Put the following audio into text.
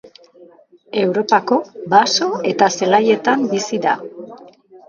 Europako baso eta zelaietan bizi da.